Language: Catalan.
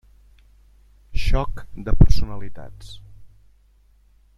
Xoc de personalitats.